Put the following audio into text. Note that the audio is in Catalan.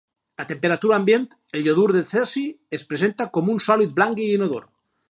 A temperatura ambient el Iodur de cesi es presenta com un sòlid blanc i inodor.